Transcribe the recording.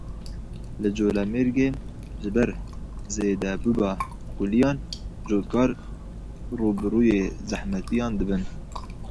Li Colemêrgê ji ber zêdebûba kuliyan cotkar rûbirûyê zehmetiyan dibin.